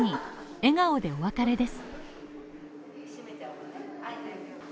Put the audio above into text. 笑顔でお別れです。